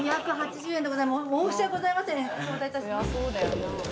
申し訳ございません。